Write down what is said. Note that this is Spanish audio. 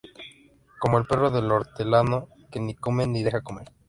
Como el perro del hortelano que ni come ni deja comer